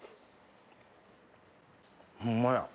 ホンマや。